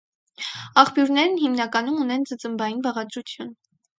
Աղբյուրներն հիմնականում ունեն ծծմբային բաղադրություն։